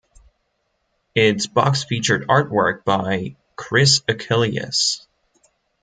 Its box featured artwork by Chris Achilleos.